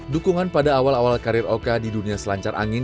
dukungan pada awal awal karir oka di dunia selancar angin